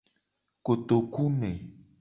Kotokuene.